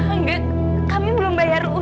enggak tapi aku bisa dia tahu